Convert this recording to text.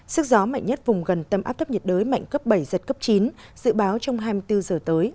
sức gió mạnh nhất vùng gần tâm áp thấp nhiệt đới mạnh cấp bảy giật cấp chín dự báo trong hai mươi bốn giờ tới